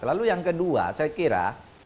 lalu yang kedua saya kira